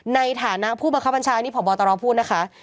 ในฐานะผู้บังคับบัญชาอันนี้ผอบอตรอบพูดนะคะ